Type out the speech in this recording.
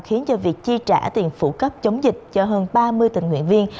khiến cho việc chi trả tiền phụ cấp chống dịch cho hơn ba mươi tình nguyện viên